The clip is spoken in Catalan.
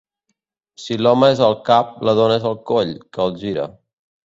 Si l'home és el cap, la dona és el coll que el gira.